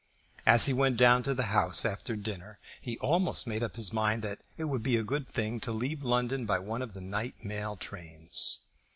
As he went down to the House after dinner, he almost made up his mind that it would be a good thing to leave London by one of the night mail trains.